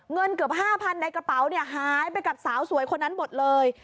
เงินเกือบ๕๐๐๐ในกระเป๋าเนี่ยหายไปกับสาวสวยคนนั้นหมดเลย